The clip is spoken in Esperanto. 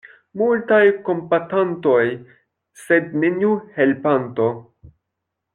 Multaj kompatantoj, sed neniu helpanto.